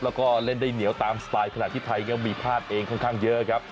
แล้วก็เล่นได้เหนียวตามสไตล์ขณะที่ไทยก็มีพลาดเองค่อนข้างเยอะครับ